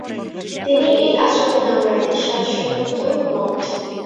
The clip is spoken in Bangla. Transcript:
তিনিই এই আশ্রমের নাম রাখেন "সারস্বত মঠ"।